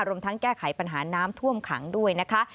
รวมทั้งแก้ไขปัญหาน้ำท่วมขังด้วยนะคะ